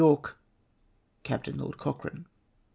Capt. Lord Cochrane."